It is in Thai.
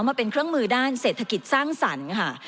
มาเป็นเครื่องมือด้านเศรษฐกิจสร้างสรรค์ค่ะ